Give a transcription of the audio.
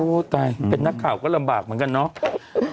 ตายเป็นนักข่าวก็ลำบากเหมือนกันเนาะ